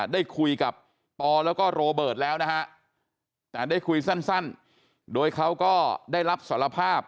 ได้คุยกับปอแล้วก็โรเบิร์ตแล้วนะฮะแต่ได้คุยสั้นโดยเขาก็ได้รับสารภาพ